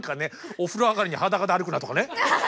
「お風呂上がりに裸で歩くな」とかね